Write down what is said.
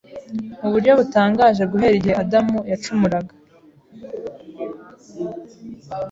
mu buryo butangaje guhera igihe Adamu yacumuraga.